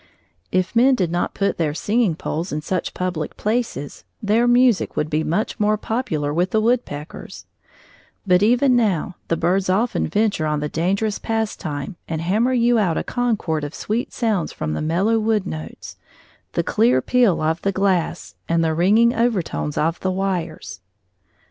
If men did not put their singing poles in such public places, their music would be much more popular with the woodpeckers; but even now the birds often venture on the dangerous pastime and hammer you out a concord of sweet sounds from the mellow wood notes, the clear peal of the glass, and the ringing overtones of the wires.